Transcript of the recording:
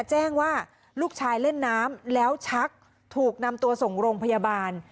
แจ้งว่าลูกชายเล่นน้ำแล้วชักถูกนำตัวส่งโรงพยาบาล